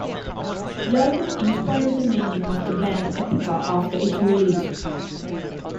The album inspired the naming of the band Epica after its release.